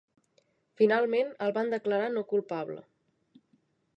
Finalment el van declarar no culpable.